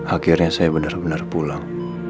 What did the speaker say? akhirnya saya benar benar pulang